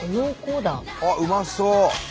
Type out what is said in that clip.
あっうまそう！